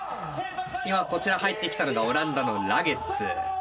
今こちら入ってきたのがオランダのラゲッズ。